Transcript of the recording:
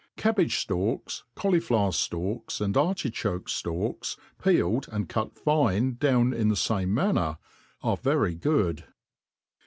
, Cabbage ftalks, cauliflower ftalks, and artichoke ftalks, peel " cJ, and cut fine down in the fame manner, are very good.